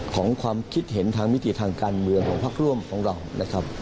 ความคิดเห็นทางมิติทางการเมืองของพักร่วมของเรานะครับ